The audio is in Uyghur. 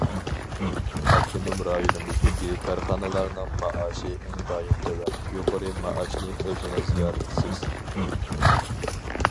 ئاپتونوم رايونىمىزدىكى كارخانىلارنىڭ مائاشى ئىنتايىن تۆۋەن، يۇقىرى مائاشنى ئۆزىڭىز يارىتىسىز.